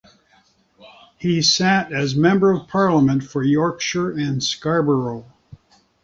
He sat as Member of Parliament for Yorkshire and Scarborough.